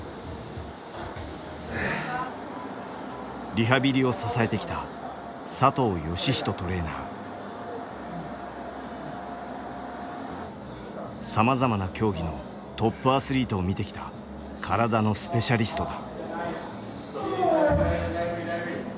リハビリを支えてきたさまざまな競技のトップアスリートを見てきた体のスペシャリストだ。